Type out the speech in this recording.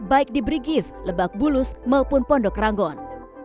baik di brigif lebak bulus maupun pondok ranggon